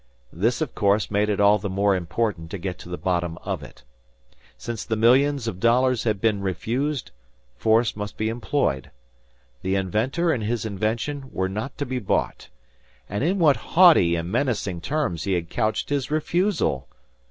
This, of course, made it all the more important to get to the bottom of it. Since the millions of dollars had been refused, force must be employed. The inventor and his invention were not to be bought. And in what haughty and menacing terms he had couched his refusal!